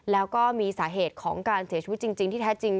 แล้วก็มีสาเหตุของการเสียชีวิตจริงที่แท้จริง